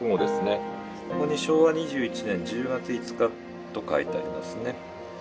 ここに昭和２１年１０月５日と書いてありますね。